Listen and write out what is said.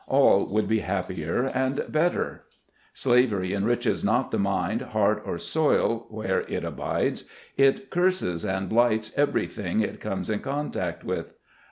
All would be happier and better. Slavery enriches not the mind, heart or soil, where it abides ; it curses and blights everything it comes 156 SKETCHES OF SLAVE LIFE. in contact with.